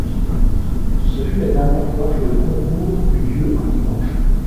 Ce fut la dernière fois que le concours eut lieu un dimanche.